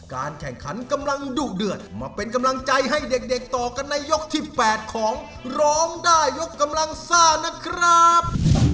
การแข่งขันกำลังดุเดือดมาเป็นกำลังใจให้เด็กต่อกันในยกที่๘ของร้องได้ยกกำลังซ่านะครับ